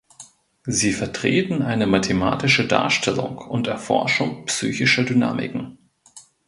Sie vertreten eine mathematische Darstellung und Erforschung psychischer Dynamiken.